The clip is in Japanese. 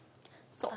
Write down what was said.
そう。